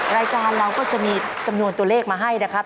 รายการเราก็จะมีจำนวนตัวเลขมาให้นะครับ